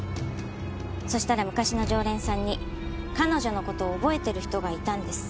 そしたら昔の常連さんに彼女の事を覚えてる人がいたんです。